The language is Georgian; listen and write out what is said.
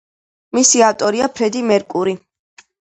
მისი ავტორია ფრედი მერკური.